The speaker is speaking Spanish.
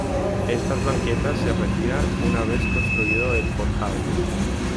Estas banquetas se retiran una vez construido el forjado.